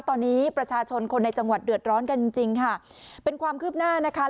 ตอนนี้ประชาชนคนในจังหวัดเดือดร้อนกันจริงจริงค่ะเป็นความคืบหน้านะคะ